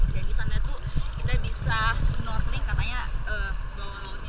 dan disana tuh kita bisa snorkeling katanya bawah lautnya